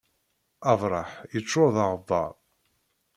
Abraḥ yeččur d aɣebbar.